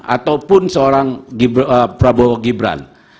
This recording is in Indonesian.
ataupun seorang prabowo gibran